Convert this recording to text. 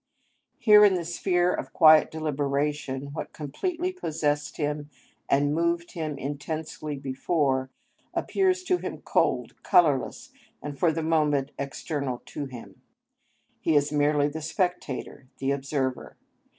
Here in the sphere of quiet deliberation, what completely possessed him and moved him intensely before, appears to him cold, colourless, and for the moment external to him; he is merely the spectator, the observer.